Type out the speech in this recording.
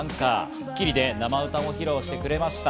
『スッキリ』で生歌を披露してくれました。